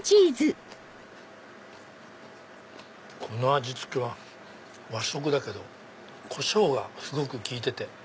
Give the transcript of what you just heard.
この味付けは和食だけどコショウがすごく効いてて。